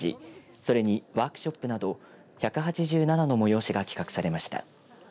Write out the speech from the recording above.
それに、ワークショップなど１８７の催しが企画されました。